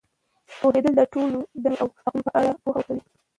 پوهېدل د ټولنیزې دندو او حقونو په اړه پوهه ورکوي.